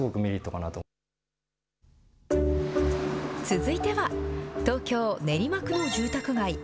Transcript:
続いては、東京・練馬区の住宅街。